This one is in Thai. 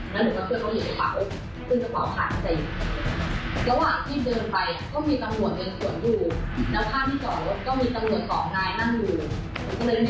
แล้วผมก็ช่วยเขาหยุดกระเป๋าขึ้นกระเป๋าขาดที่จะหยุด